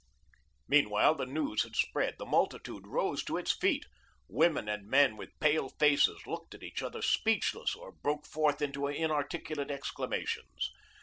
Meanwhile, the news had spread. The multitude rose to its feet. Women and men, with pale faces, looked at each other speechless, or broke forth into inarticulate exclamations.